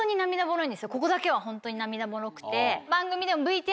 ここだけはホントに涙もろくて。